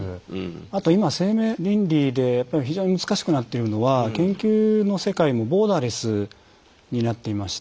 あと今生命倫理でやっぱり非常に難しくなってるのは研究の世界もボーダーレスになっていまして。